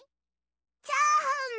チャーハン！